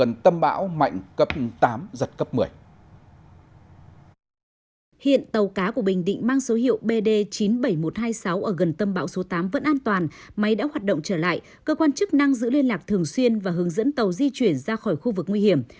hiện tàu cá của bình định mang số hiệu bd chín mươi bảy nghìn một trăm hai mươi sáu ở gần tâm bão số tám vẫn an toàn máy đã hoạt động trở lại cơ quan chức năng giữ liên lạc thường xuyên và hướng dẫn tàu di chuyển ra khỏi khu vực nguy hiểm